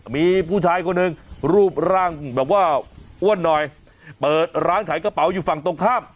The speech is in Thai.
มีผู้ชายคนหนึ่งรูปร่างแบบว่าอ้วนหน่อยเปิดร้านขายกระเป๋าอยู่ฝั่งตรงข้าม